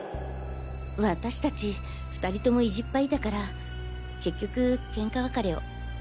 私達２人とも意地っ張りだから結局ケンカ別れを。